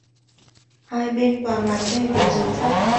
hai bên toàn là tre với dứa dại